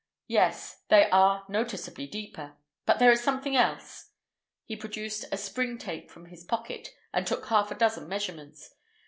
"Yes; they are noticeably deeper. But there is something else." He produced a spring tape from his pocket, and took half a dozen measurements.